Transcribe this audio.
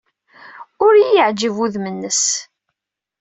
Ur iyi-yeɛjib wudem-nnes.